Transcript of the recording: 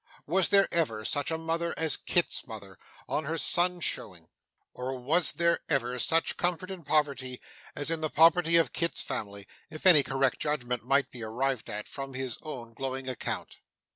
Was there ever such a mother as Kit's mother, on her son's showing; or was there ever such comfort in poverty as in the poverty of Kit's family, if any correct judgment might be arrived at, from his own glowing account!